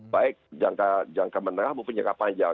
baik jangka menengah maupun jangka panjang